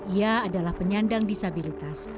ia adalah penyandang disabilitas